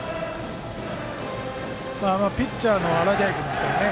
ピッチャーの洗平君ですからね。